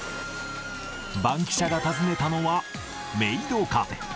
バンキシャが訪ねたのは、メイドカフェ。